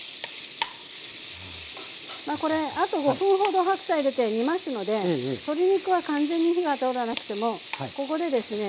まあこれあと５分ほど白菜入れて煮ますので鶏肉は完全に火が通らなくてもここでですね